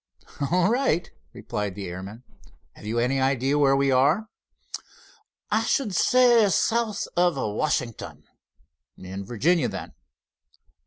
"All right," replied the airman. "Have you any idea where we are?" "I should say, south of Washington." "In Virginia, then?"